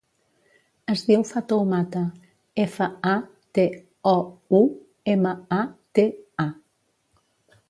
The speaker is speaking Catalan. Es diu Fatoumata: efa, a, te, o, u, ema, a, te, a.